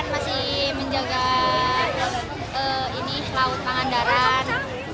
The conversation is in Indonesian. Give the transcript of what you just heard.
masih menjaga ini laut pangandaran